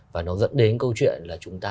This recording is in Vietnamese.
và nó dẫn đến câu chuyện là chúng ta